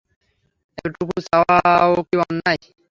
এতোটুকু চাওয়াও কি অন্যায়?